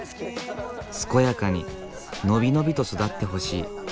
健やかに伸び伸びと育ってほしい。